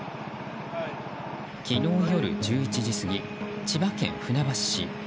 昨日夜１１時過ぎ、千葉県船橋市。